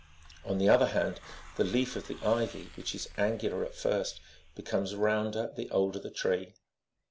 On the other hand, the leaf of the ivy,52 which is angular at first, becomes rounder, the older the tree.